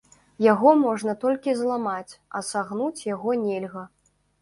Яго можна толькі зламаць, а сагнуць яго нельга.